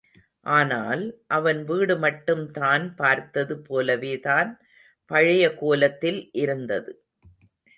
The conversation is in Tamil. ஆனால், அவன் வீடு மட்டும் தான் பார்த்தது போலவேதான் பழைய கோலத்தில் இருந்தது.